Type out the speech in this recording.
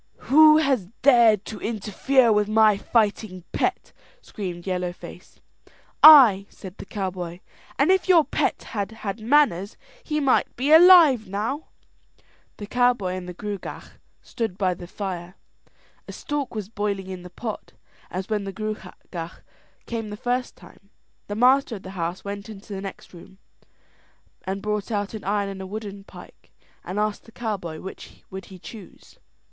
"Who has dared to interfere with my fighting pet?" screamed Yellow Face. "I," said the cowboy; "and if your pet had had manners, he might be alive now." The cowboy and the Gruagach stood by the fire. A stork was boiling in the pot, as when the Gruagach came the first time. The master of the house went into the next room and brought out an iron and a wooden pike, and asked the cowboy which would he choose.